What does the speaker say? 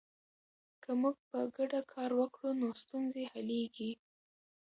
که موږ په ګډه کار وکړو نو ستونزې حلیږي.